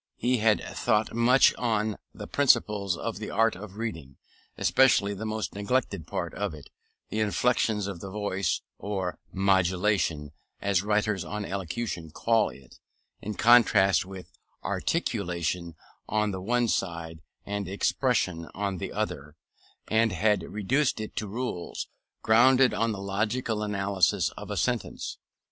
He had thought much on the principles of the art of reading, especially the most neglected part of it, the inflections of the voice, or modulation, as writers on elocution call it (in contrast with articulation on the one side, and expression on the other), and had reduced it to rules, grounded on the logical analysis of a sentence.